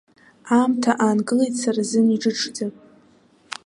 Аамҭа аангылеит сара сзын иџыџӡа.